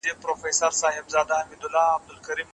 هغه په ورکړه کي ځنډ ونکړ.